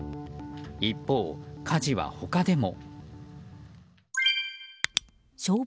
一方、火事は他でも。